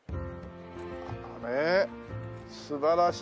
あれ素晴らしい。